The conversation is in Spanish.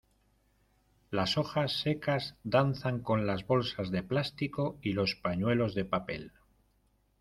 Las hojas secas danzan con las bolsas de plástico y los pañuelos de papel.